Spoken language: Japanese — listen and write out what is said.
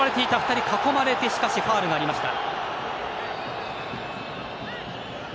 ２人に囲まれて、しかしファウルになりました。